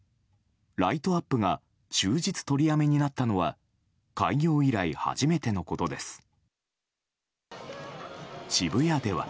ライトアップが終日取りやめになったのは開業以来、初めてのことです。